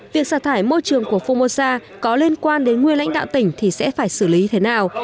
việc sạc thải môi trường của phu mô sa có liên quan đến nguyên lãnh đạo tỉnh thì sẽ phải xử lý thế nào